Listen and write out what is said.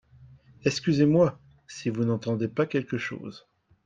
Excusez-moi (si vous n'entendez pas quelque chose).